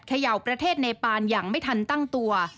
เขย่าประเทศเนปานอย่างไม่ทันตั้งตัว